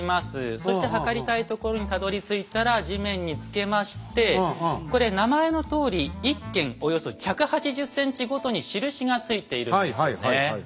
そして測りたいところにたどりついたら地面につけましてこれ名前のとおり「１間」およそ１８０ｃｍごとに印がついているんですよね。